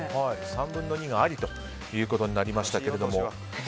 ３分の２がありということになりましたけども。